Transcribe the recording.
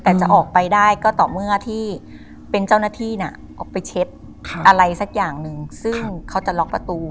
แต่จะออกไปได้ก็ต่อเมื่อที่เป็นเจ้าหน้าที่ออกไปเช็ดอะไรสักอย่างหนึ่งซึ่งเขาจะล็อกประตู